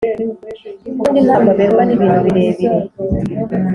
Ubundi ntago aberwa nibintu birebire